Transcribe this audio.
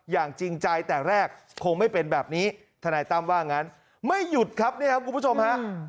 จริงใจแต่แรกคงไม่เป็นแบบนี้ทนายตั้มว่างั้นไม่หยุดครับเนี่ยครับคุณผู้ชมฮะ